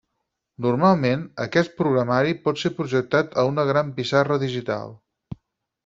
Normalment, aquest programari pot ser projectat a una gran pissarra digital.